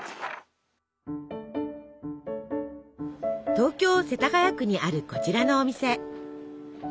東京世田谷区にあるこちらのお店。